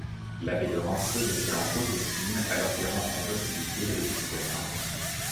L'abbé de Rancé le tient en haute estime alors qu'il rencontre l'hostilité de l'épiscopat.